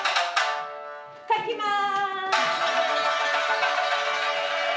かきます！